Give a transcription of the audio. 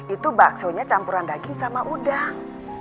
itu baksonya campuran daging sama udang